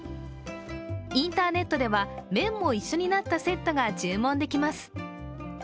インターネットでは麺も一緒になったセットが注文できます。